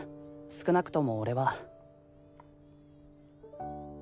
少なくとも俺は。